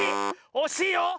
おしいよ！